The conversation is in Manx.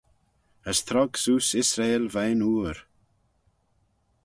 As trog seose Israel veih'n ooir.